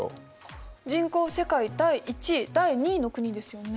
人口世界第１位第２位の国ですよね。